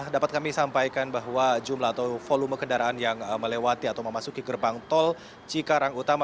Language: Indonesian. dapat kami sampaikan bahwa jumlah atau volume kendaraan yang melewati atau memasuki gerbang tol cikarang utama